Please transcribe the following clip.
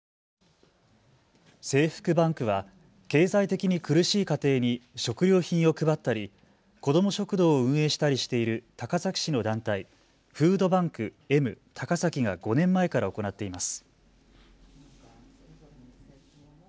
制服バンクは経済的に苦しい家庭に食料品を配ったり、子ども食堂を運営したりしている高崎市の団体、フードバンクＭ・高崎が５年前から行っています。